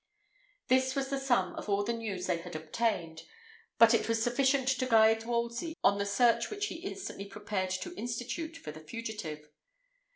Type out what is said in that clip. This was the sum of all the news they had obtained, but it was sufficient to guide Wolsey on the search which he instantly prepared to institute for the fugitive.